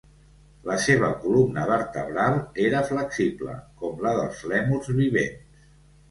La seva columna vertebral era flexible, com la dels lèmurs vivents.